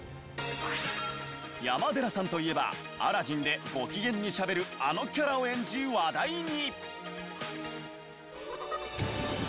山寺さんといえば『アラジン』でご機嫌にしゃべるあのキャラを演じ話題に。